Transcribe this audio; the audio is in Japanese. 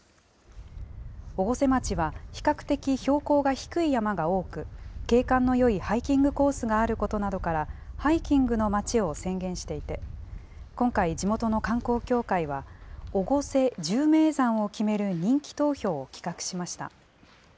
越生町は、比較的標高が低い山が多く、景観のよいハイキングコースがあることなどから、ハイキングのまちを宣言していて、今回、地元の観光協会は、越生１０名山を決める人気投票を企画しました。